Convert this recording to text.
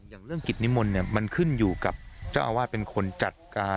อย่างเรื่องกิจนิมนต์เนี่ยมันขึ้นอยู่กับเจ้าอาวาสเป็นคนจัดการ